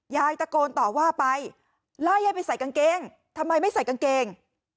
ยายตะโกนต่อว่าไปไล่ยายไปใส่กางเกงทำไมไม่ใส่กางเกง